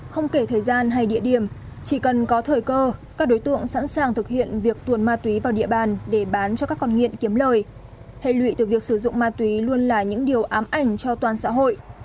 không kể thời gian hay địa điểm chỉ cần có thời cơ các đối tượng sẵn sàng thực hiện việc tuồn ma túy vào địa bàn để bán cho các con nghiện kiếm lời hệ lụy từ việc sử dụng ma túy luôn là những điều ám ảnh cho toàn xã hội